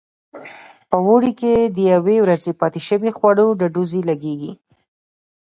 په اوړي کې د یوې ورځې پاتې شو خوړو ډډوزې لګېږي.